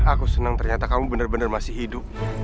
aku senang ternyata kamu benar benar masih hidup